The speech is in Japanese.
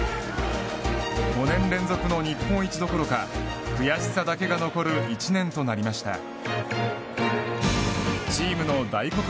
５年連続の日本一どころか悔しさだけが残る一年となりました。